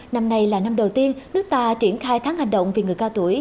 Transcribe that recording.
năm này là năm đầu tiên nước ta triển khai tháng hành động về người cao tuổi